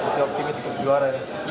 kita optimis untuk juara ya